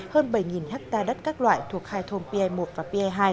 hơn bảy ha đất các loại thuộc hai thôn pa một và pi hai